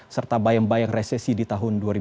serta bayang bayang resesi di tahun dua ribu dua puluh